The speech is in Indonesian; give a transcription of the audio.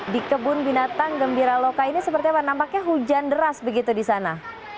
di kebun binatang gembira loka ini seperti apa nampaknya hujan deras begitu di sana